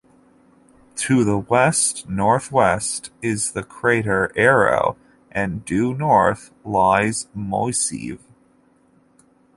To the west-northwest is the crater Erro, and due north lies Moiseev.